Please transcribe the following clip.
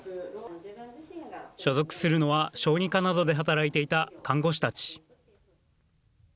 所属するのは小児科などで働いていた看護師たち。